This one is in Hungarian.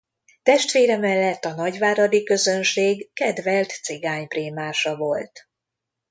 Testvére mellett a nagyváradi közönség kedvelt cigányprímása volt.